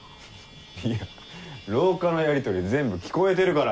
いや廊下のやりとり全部聞こえてるから。